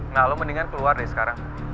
nah lo mendingan keluar deh sekarang